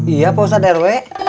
iya pak ustadz rw